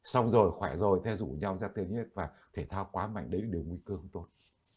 xong rồi khỏe rồi theo dụ nhau ra tennis và thể thao quá mạnh đấy là nguy cơ của tôi